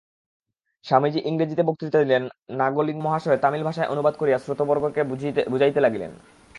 স্বামীজী ইংরেজীতে বক্তৃতা দিলেন, নাগলিঙ্গম মহাশয় তামিল ভাষায় অনুবাদ করিয়া শ্রোতৃবর্গকে বুঝাইতে লাগিলেন।